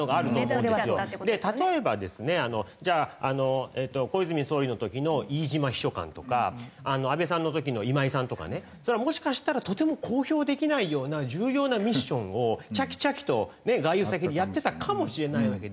例えばですねじゃああの小泉総理の時の飯島秘書官とか安倍さんの時の今井さんとかねそれはもしかしたらとても公表できないような重要なミッションをチャキチャキと外遊先でやってたかもしれないわけで。